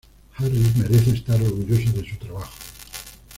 Harris merece estar orgulloso de su trabajo.